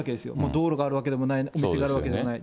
道路があるわけでもない、店があるわけでもない。